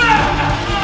gak ada masalah